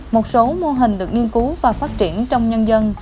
một số mô hình được nghiên cứu và phát triển trong nhân dân